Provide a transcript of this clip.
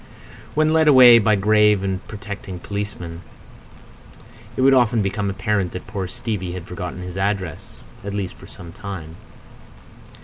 When led away by a grave and protecting policeman, it would often become apparent that poor Stevie had forgotten his address—at least for a time.